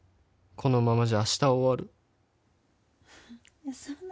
このままじゃあした終わる